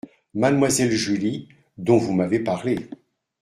Mademoiselle Julie, dont vous m’avez parlé !